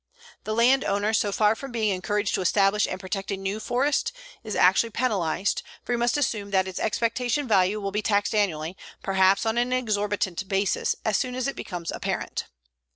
The land owner, so far from being encouraged to establish and protect a new forest, is actually penalized, for he must assume that its expectation value will be taxed annually, perhaps on an exorbitant basis, as soon as it becomes apparent.